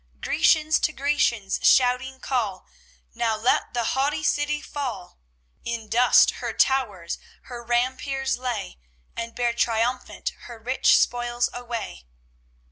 Grecians to Grecians shouting call, 'Now let the haughty city fall; In dust her towers, her rampiers lay, And bear triumphant her rich spoils away.'"